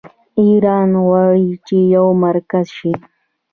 ایران غواړي چې یو مرکز شي.